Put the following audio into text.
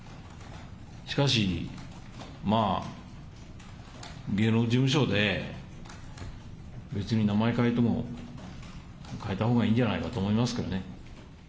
しかし、まあ、芸能事務所で、別に名前変えても、変えたほうがいいんじゃないかと思いますけどね。